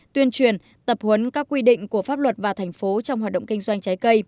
tuyên truyền tập huấn các quy định của pháp luật và thành phố trong hoạt động kinh doanh trái cây